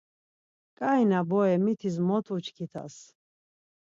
Ǩai na bore mitis mot uçkit̆as.